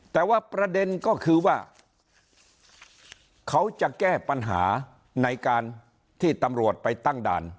แต่ว่าประเด็นก็คือว่าเขาจะแก้ปัญหาในการที่ตำรวจไปตั้งด่าน